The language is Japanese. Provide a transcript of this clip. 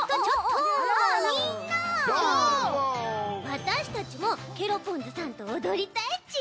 わたしたちもケロポンズさんとおどりたいち。